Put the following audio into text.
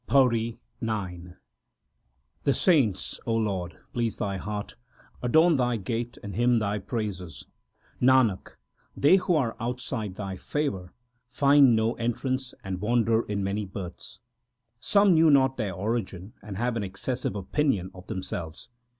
PAURI IX The saints, Lord, please Thy heart, adorn Thy gate, and hymn Thy praises. Nanak, they who are outside Thy favour, find no entrance and wander in many births. Some know not their origin, and have an excessive opinion of themselves.